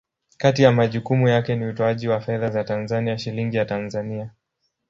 Kati ya majukumu yake ni utoaji wa fedha za Tanzania, Shilingi ya Tanzania.